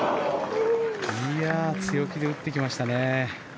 強気で打ってきましたね。